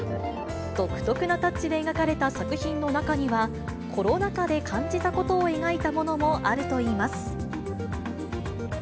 独特なタッチで描かれた作品の中には、コロナ禍で感じたことを描いたものもあるといいます。